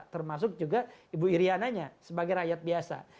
termasuk juga ibu iryananya sebagai rakyat biasa